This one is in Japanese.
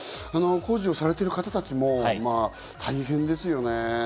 工事をされてる方たちも大変ですよね。